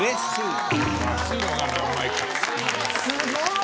すごい！